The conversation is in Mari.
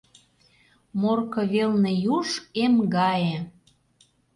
Морко велне юж эм гае.